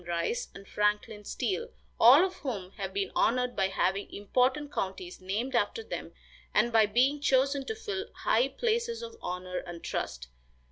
Rice and Franklin Steele, all of whom have been honored by having important counties named after them and by being chosen to fill high places of honor and trust.